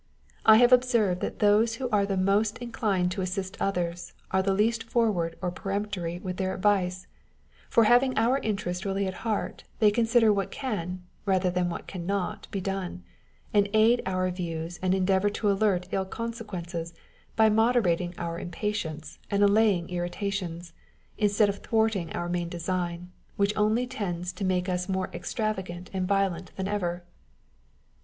I have observed that those who are the most inclined to assist others are the least forward or peremp tory with their advice ; for having our interest really at heart, they consider what can, rather than what cannot be done, and aid our views and endeavour to avert ill conse quences by moderating our impatience and allaying irritations, instead of thwarting our main design, which only tends to make us more extravagant and violent than 1 This circumstance did not happen to me, but to an acquaint ance. 110 'On the Spirit of Obligations. ever.